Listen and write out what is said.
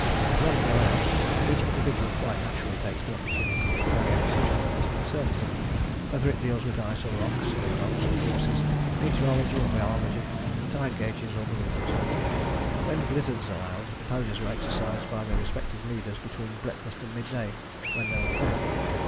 But when we go out, each individual quite naturally takes the opportunity to carry out such work as concerns him, whether it deals with ice or rocks, dogs or horses, meteorology or biology, tide gauges or balloons. When blizzards allowed, the ponies were exercised by their respective leaders between breakfast and mid day, when they were fed.